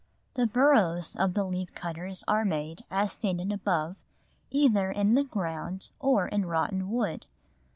The burrows of the leaf cutters are made, as stated above, either in the ground or in rotten wood.